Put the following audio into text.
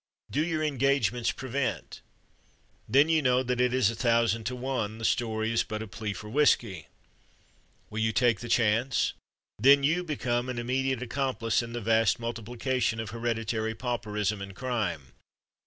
Do your engagements prevent? Then you know that it is a thousand to one the story is but a plea for whiskey. Will you take the chance? Then you become an immediate accomplice in the vast multiplication of hereditary pauperism and crime.